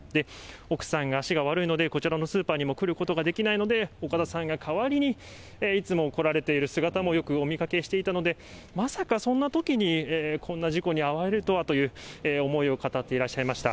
奥さんが足が悪いので、こちらのスーパーにも来ることができないので、岡田さんが代わりにいつも来られている姿もよくお見かけしていたので、まさかそんなときに、こんな事故に遭われるとはという思いを語っていらっしゃいました。